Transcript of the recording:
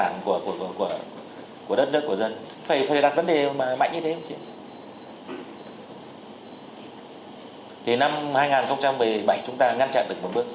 mức thấp nhất từ trước